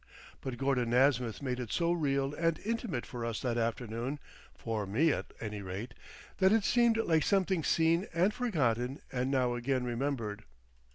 But Gordon Nasmyth made it so real and intimate for us that afternoon—for me, at any rate—that it seemed like something seen and forgotten and now again remembered.